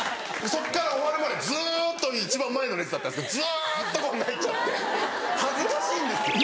そっから終わるまでずっと一番前の列だったんですけどずっと泣いちゃって恥ずかしいんですよ。